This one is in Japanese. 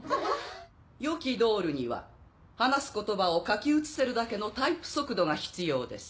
良きドールには話す言葉を書き写せるだけのタイプ速度が必要です。